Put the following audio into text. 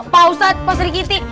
pak ustadz pak serikiti